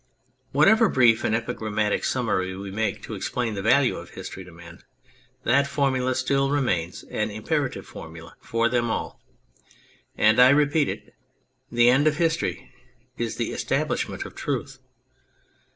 Whatever brief and epigrammatic summary we make to explain the value of history to men, that formula still remains an imperative formula for them all, and I repeat it : the end of history is the establishment of truth.